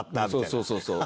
そうそうそうそう。